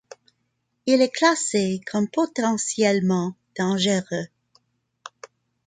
Il est classé comme potentiellement dangereux.